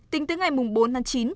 tính tới ngày bốn tháng chín